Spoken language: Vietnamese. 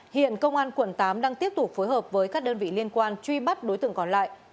hiện công an quận tám đang tiếp tục phối hợp với các đơn vị liên quan truy bắt đối tượng còn lại